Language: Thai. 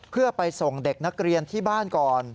เพื่อไปส่งเด็กนักเรียนที่บ้านก่อน